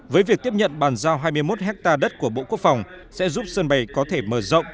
với việc tiếp nhận bàn giao hai mươi một hectare đất của bộ quốc phòng sẽ giúp sân bay có thể mở rộng